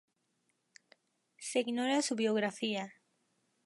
Se ignora su biografía.